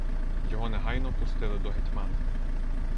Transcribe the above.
Його негайно пустили до гетьмана.